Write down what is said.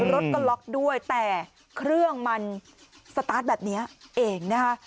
รถก็ล็อกด้วยแต่เครื่องมันแบบเนี้ยเองนะฮะ